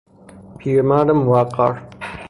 پیرمرد موقر